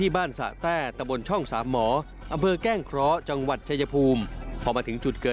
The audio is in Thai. อุบัดตัวที่เกิดขึ้นทำให้น้องตอโมยูง๑๕ปี